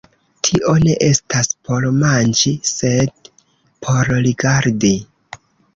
Tio ne estas por manĝi, sed por rigardi.